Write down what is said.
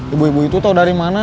ibu ibu itu tahu dari mana